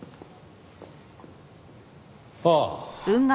ああ。